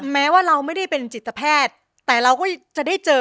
แม้ว่าเราไม่ได้เป็นจิตแพทย์แต่เราก็จะได้เจอ